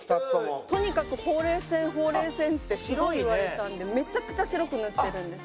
とにかくほうれい線ほうれい線ってすごい言われたのでめちゃくちゃ白く塗ってるんです。